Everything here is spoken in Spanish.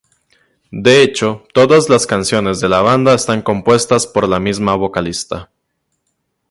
De hecho, todas las canciones de la banda están compuestas por la misma vocalista.